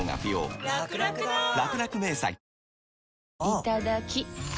いただきっ！